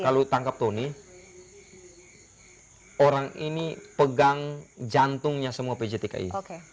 kalau tangkap tony orang ini pegang jantungnya semua pjtki